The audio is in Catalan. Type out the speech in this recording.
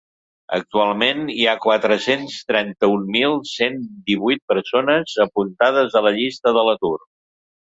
Actualment hi ha quatre-cents trenta-un mil cent divuit persones apuntades a la llista de l’atur.